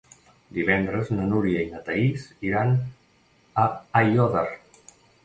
Divendres na Núria i na Thaís iran a Aiòder.